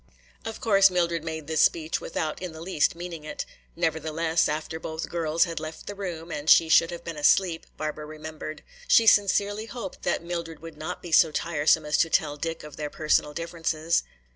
Of course Mildred made this speech without in the least meaning it. Nevertheless, after both girls had left the room and she should have been asleep, Barbara remembered. She sincerely hoped that Mildred would not be so tiresome as to tell Dick of their personal differences.